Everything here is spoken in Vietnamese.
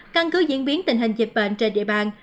căn cứ diễn biến tình hình dịch bệnh trên địa bàn